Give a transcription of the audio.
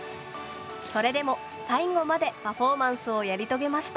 それでも最後までパフォーマンスをやり遂げました。